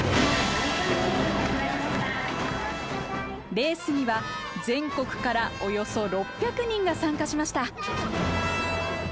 レースには全国からおよそ６００人が参加しました。